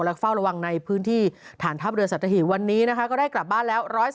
และมองระวังในพื้นที่ฐานธัพเรือนศตหิวคือวันนี้ได้กลับบ้านแล้ว